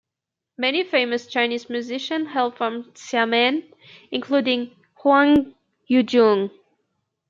Many famous Chinese musicians hail from Xiamen, including Huang Yujun.